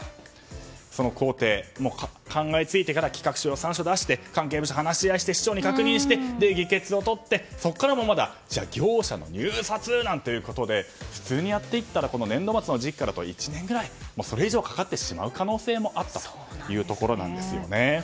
その工程、考えついてから企画書、予算書を出して関係部署で話し合って市長に確認して議決をとって、そこから業者の入札なんてことで普通にやっていったら年度末の時期から１年ぐらいそれ以上かかってしまう可能性もあったというところなんですよね。